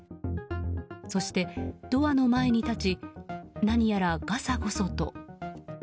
そして、ドアの前に立ち何やら、がさごそと。